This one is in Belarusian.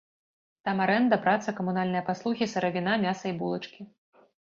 Там арэнда, праца, камунальныя паслугі, сыравіна, мяса і булачкі.